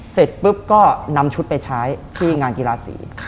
เสร็จปุ๊บก็นำชุดไปใช้ที่งานกีฬาสี